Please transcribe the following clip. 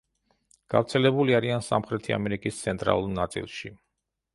გავრცელებული არიან სამხრეთი ამერიკის ცენტრალურ ნაწილში.